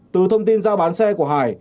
từ thông tin giao bán xe của hải